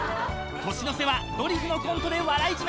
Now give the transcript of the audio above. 年の瀬はドリフのコントで笑い締め！